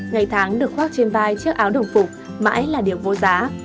ngày tháng được khoác trên vai chiếc áo đồng phục mãi là điều vô giá